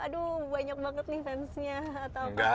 aduh banyak banget nih fans nya